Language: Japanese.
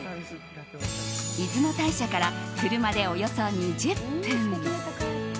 出雲大社から車でおよそ２０分。